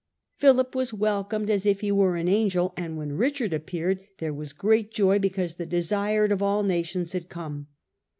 Philip was welcomed " as if he were an angel," and when Eichard appeared, " there was great joy, because the desired of all nations had come."